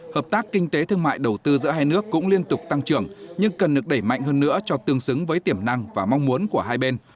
hợp tác kinh tế thương mại đầu tư giữa hai nước cũng liên tục tăng trưởng nhưng cần được đẩy mạnh hơn nữa cho tương xứng với tiềm năng và mong muốn của hai bên